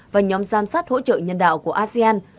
và nhóm giám sát hỗ trợ nhân đạo của asean